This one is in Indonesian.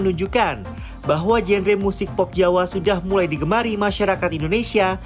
menunjukkan bahwa genre musik pop jawa sudah mulai digemari masyarakat indonesia